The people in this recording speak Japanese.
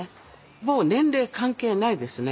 もう年齢関係ないですね。